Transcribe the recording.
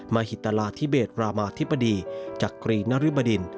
มหิตราธิเบศรามาธิบดีจักรีนริบดิน